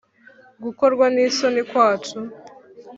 gukorwa n isoni kwacu